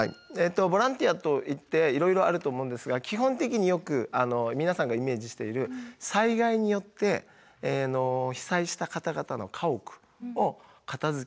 ボランティアといっていろいろあると思うんですが基本的によく皆さんがイメージしている災害によって被災した方々の家屋を片づける。